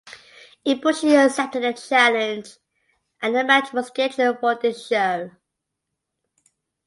Ibushi accepted the challenge and the match was scheduled for this show.